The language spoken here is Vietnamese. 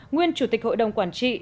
nguyên chủ tịch hội đồng quản trị